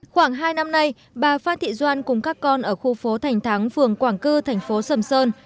khoảng hai năm nay bà phan thị doan cùng các con ở khu phố thành thắng phường quảng cư thành phố sầm sơn